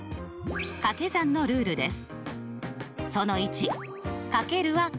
掛け算のルールです。